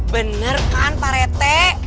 bener kan pak rete